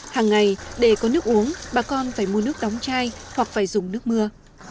hàng ngày để có nước uống bà con phải mua nước đóng chai hoặc phải dùng nước mưa